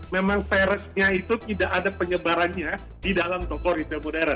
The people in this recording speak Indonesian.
memang virusnya itu tidak ada penyebarannya di dalam toko retail modern